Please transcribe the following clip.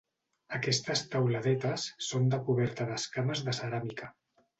Aquestes teuladetes són de coberta d'escames de ceràmica.